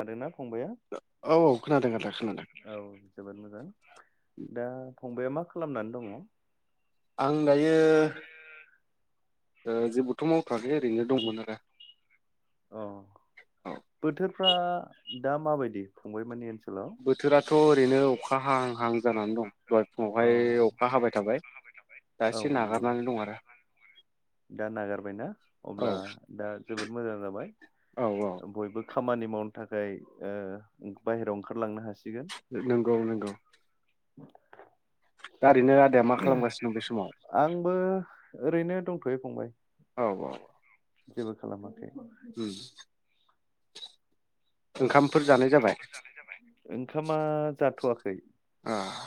आरो ना औ औ खोनादों आदा खोनादों। औ जोबोद मोजां दा फंबाया मा खालामनानै दङ? आं दायो ओ- जेबोथ' थवाखै ओरैनो दंमोन आरो। अ औ बोथोर फ्रा दा मााबायदि फंबाय मोननि ओनसो बोथोराथ' ओरैनो अखा हां हां जानानै दं। दहाय फुङावहाय अखा ओमफ्राय हाबाय थाबाय अखा हाबाय दा थाबाय औ एसे नंगौ नागारनानै दं आरो दा नागारबायना औ अब्ला दा जोबोद मोजां जाबाय औ औ ओ-बयबो। खामानि मावनो थाखाय ओ- बाहेरायाव ओंखारलांनो हासि- नंगौ नंगौ [inaudible] दा ओरैनो आदाया मा खालामगासिनो दं बे समाव? आंबो ओरैनो दंथ'यो फंबाय। औ औ जेबो खालामा। खै। ओंखाम- फोर जानाय जाबाय? ओंखामा जाथ'वाखै। आह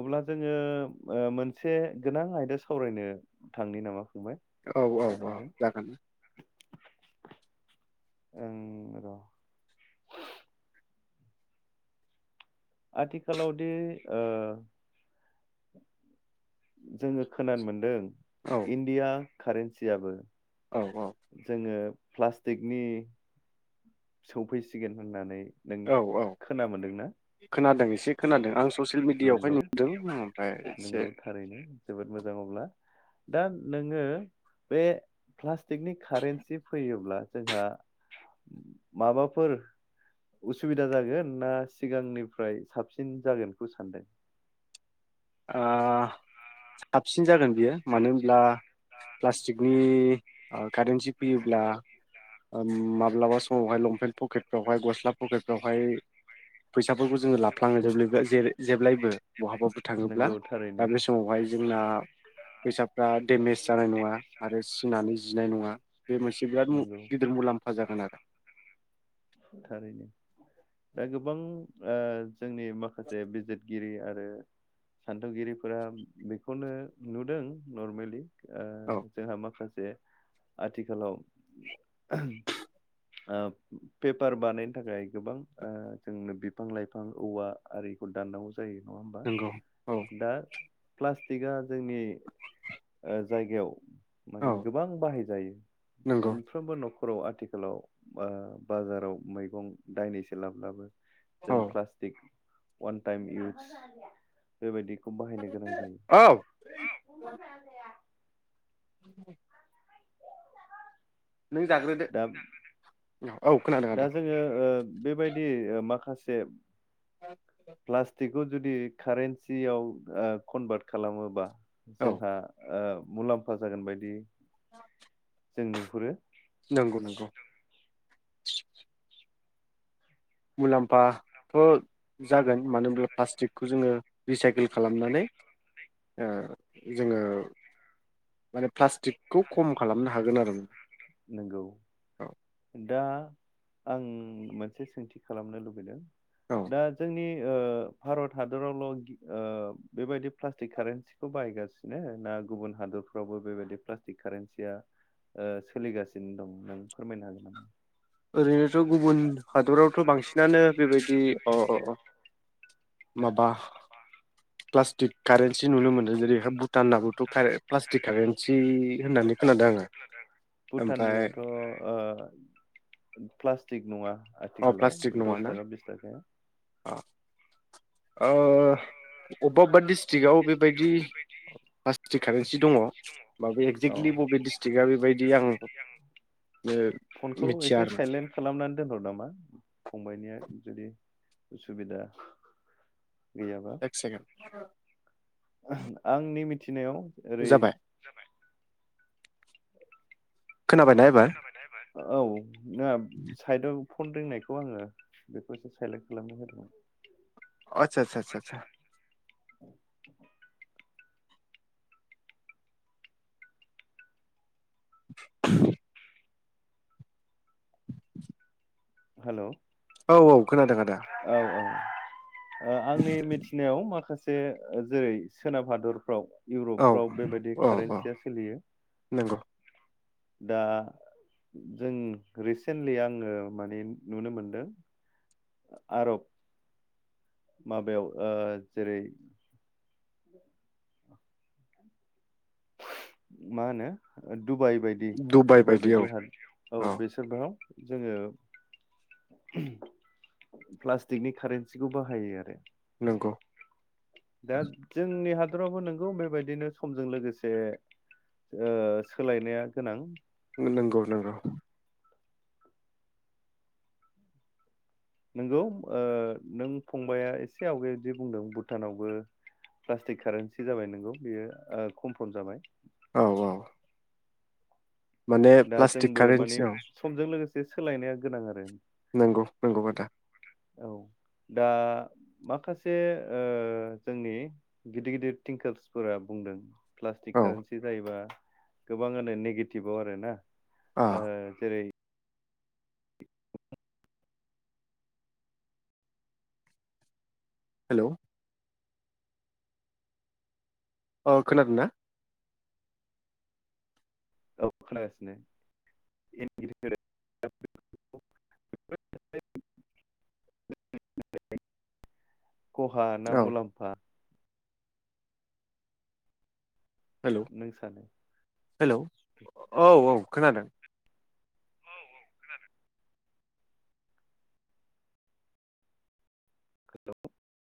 अब्ला जोङो मोनसे ओ-गोनां आयदा सावरायनो थांनि नामा? फंबाय औ औ औ सानैजों जागोन। ओं र' आथिखालावदि ओ- जोङो खोनानो मोनदों। औ इन्डिया। कारेनसियाबो औ औ जोङो प्लास्टिकनि सौफैसिगोन होननानै नों औ औ खोनादों एसे खोनादों आं ससियेल मिडियाआवहाय नंगौ नुदों ओमफ्राय एसे नोंगौ थारैनो जोबोद मोजां अब्ला दा नोङो बे प्लास्टिकनि कारेन्सि फैयोब्ला जोंहा माबाफोर उसुबिदा जागोन ना सिगांनिफ्राय साबसिन जागोनखौ सानदों? आ साब सिन जागोन बियो मानो होनब्ला प्लास्टिकनि ओ कारेन्सि फैयोब्ला ओम माब्लाबा समावहाय लंपेन्ट पकेटफ्रावहाय गस्ला पकेटफ्रावहाय फैसाफोरखौ जोङो लाब फ्लाङो जोब्लैबो जेरै जेब्लायबो बहाबा थाङोब्ला नोंगौ थारैनो दा बे समावहाय जोंना फैसाफ्रा डेमेज जानाय नङा आरो सिनानै जिनाय नङा। बे मोनसे बिराद मु नोंगौ गिदिर मुलाम्फा जागोन आरो थारैनो दा गोबां ओ जोंनि माखासे बिजिरगिरि आरो आरो सान्थौगिरिफोरा बेखौनो नुदों नरमेलि ओ औ जोंहा माखासे जे आथिखालाव ओ पेपार बानायनो थाखाय गोबां ओ जोंनो बिफां लाइफां औवा आरिखौ दाननांगौ जायो। जायो नङा होमबा नंगौ औ दा प्लास्टिकआ जोंनि ओ जायगायाव औ माने गोबां बाहायजायो नंगौ मोनफ्रोमबो न'ख फोराव आथिखालाव बा बाजाराव मैगं दायनैसो लाब्लाबो औ जों प्लास्टिक अवान टाइम इउस बेबायदि खौ बाहायनो गोनां जायो। औ नों जाग्रोदो। दा औ खोनादों दा आदा जोङो ओ बेबायदि माखासे [unintelligible] [unintelligible] प्लास्टिकखौ जुदि कारेन्सियाव ओ कनभार्ट खालामोबा औ जोंहा ओ मुलाम्फा जागोन बायदि [inaudible] जों नुहुरो नंगौ नंगौ। मुलाम्फाथ' जागोन मानो होनब्ला प्लास्टिकखौ जोङो रिसाइकेल खालामनानै जोङो माने प्लास्टिकखौ खम खालामनो हागोन आरो माने। नंगौ। दा आं मोनसे सोंथि खालामनो लुबैदों। औ दा जोंनि भारत हादरावल' बेबायदि प्लास्टिक कारेन्सिखौ बाहायगासिनो ना? गुबुन हादरफ्रावबो बेबायदि प्लास्टिक कारेन्सिया ओ सोलिगासिनो दं नों फोरमायनो हागोन नामा? ओरैनोथ' गुबुन हादरावथ' बांसिनानो बेबायदि। ‌ अ माबा प्लास्टिक प्लस्टिक कारेन्सि नुनो कारेन्सि नुनो जेरैहाय मोनो ओरैहाय भुटानाबोथ' प्लास्टिक भुटाननियाबोथ' कारेन्सि प्लस्टिक कारेन्सि होननानै खोनादों होनना आङो खोनादों आंङो, ओमफ्राय भुटानियाथ' ओ प्लास्टिक नङा। अ प्लास्टिक आथिखालाव नङाना दथ ओ अबेबा अबेबा डिस्ट्रिकआव बेबायदि प्लास्टिक कारेन्सि दङ। होमबाबो औ एक्जेक्टलि बबे डिस्ट्रिकआ बेबायदि दि आं फनखौ मिथिया एसे आरो साइलेन्ट खालामनानै दोनहर नामा? फंबायनिया जुदि उसुबिदा गैयाबा एक सेकेणड आंनि फिनायाव ओरै जाबाय जाबाय खोनाबायना एबार? औ ना साइदआव फन रिंनाय [inaudible] आतसा आतसा सा सा। [unintelligible] [unintelligible] हेलौ। औ औ खोनादों आदा। ओ आंनि मिथिनायाव माखासे से जेरै सोनाब हादरफ्राव औ इउरपफ्राव बेबायदि औ औ कारेन्सिया सोलियो। नंगौ दा जों रिसेन्टलि आङो माने नुनो मोनदों, आरब माबायाव ओ जेरै मा होनो? डुबाय बायदि दुबाइ डुबाय बायदि औ हा डुबाय बायदियाव औ बेसोरना जोङो [unintelligible] प्लास्टिकनि कारेन्सिखौ बाहायो आरो। नंगौ दा जोंनि हा दोरावबो नोंगौ बेबायदिनो समजों लोगोसे ओ सोलायनाया गोनां। नंगौ नंगौ नंगौ ओ नों फंबाया एसे आवगायाव दि बुंदों भुटानावबो प्लास्टिक कारेन्सि जाबाय नोंगौ बियो ओ कमफर्म जाबाय। औ औ। माने दा प्लास्टिक जोंबो माने कारेन्सि औ समजों लोगोसे एसे सोलायनाया गोनां आरो। नंगौ नंगौ आदा। औ दा माखासे ओ जोंनि गिदिर गिदिर थिंकार्सफोरा बुंदों। प्लास्टिक औ कारेन्सि जायोबा। गोबांआनो नेगेटिभआव आरो ना। आ ओ जेरै - हेलौ अ खोनादों ना? औ खोनागासिनो [inaudible] खहा ना औ मुलाम्फा। नों सानो हेल' औ औ खोनादों औ औ खोनादों। [unintelligible]